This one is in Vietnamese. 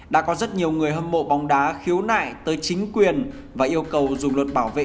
đã có rất nhiều người hâm mộ bóng đá khiếu nại tới chính quyền và yêu cầu dùng luật bảo vệ